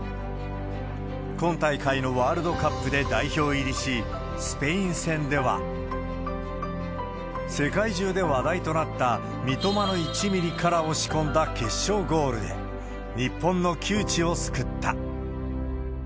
今大会のワールドカップで代表入りし、スペイン戦では、世界中で話題となった三笘の１ミリから押し込んだ決勝ゴールで、日本の窮地を救った。